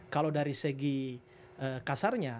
kalau dari segi kasarnya